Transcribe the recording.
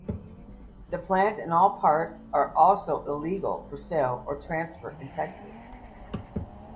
The plant and all parts are also illegal for sale or transfer in Texas.